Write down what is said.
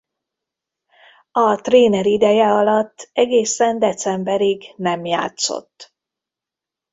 A tréner ideje alatt egészen decemberig nem játszott.